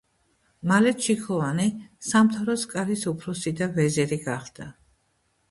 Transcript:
მალე ჩიქოვანი სამთავროს კარის „უფროსი და ვეზირი“ გახდა.